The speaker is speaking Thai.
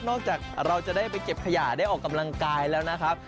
เราจะได้ไปเก็บขยะได้ออกกำลังกายแล้วนะครับ